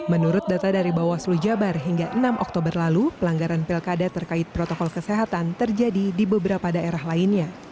menurut data dari bawaslu jabar hingga enam oktober lalu pelanggaran pilkada terkait protokol kesehatan terjadi di beberapa daerah lainnya